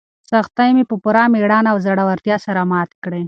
سختۍ مې په پوره مېړانه او زړورتیا سره ماتې کړې.